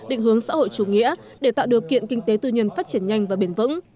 định hướng xã hội chủ nghĩa để tạo điều kiện kinh tế tư nhân phát triển nhanh và bền vững